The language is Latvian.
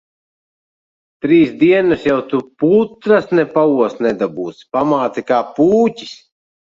Trīs dienas jau tu putras ne paost nedabūsi. Pamāte kā pūķis.